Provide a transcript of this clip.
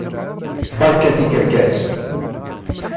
Berka tikerkas!